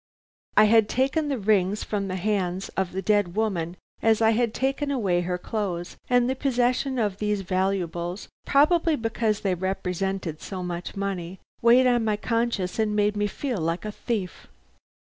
I had taken the rings from the hands of the dead woman as I had taken away her clothes, and the possession of these valuables, probably because they represented so much money, weighed on my conscience and made me feel like a thief.